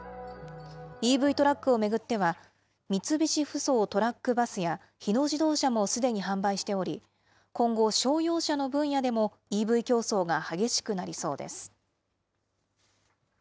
ＥＶトラックを巡っては、三菱ふそうトラック・バスや、日野自動車もすでに販売しており、今後、商用車の分野でもＥＶ競争が激しくなりそうです。